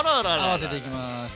合わせていきます。